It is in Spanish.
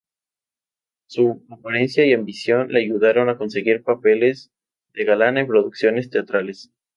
Su apariencia y ambición le ayudaron a conseguir papeles de galán en producciones teatrales.